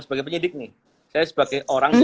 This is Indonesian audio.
sebagai penyidik nih saya sebagai orang